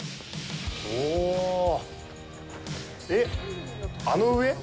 えっ、あの上？